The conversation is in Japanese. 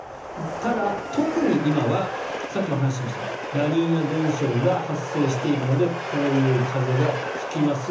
ただ、特に今はさっきも話ししましたラニーニャ現象が発生しているのでこういう風が吹きます